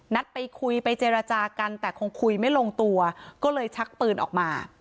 นัดไปคุยไปเจรจากันแต่คงคุยไม่ลงตัวก็เลยชักปืนออกมา